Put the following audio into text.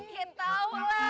gak tau lah